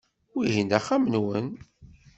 Wihin d axxam-nwen.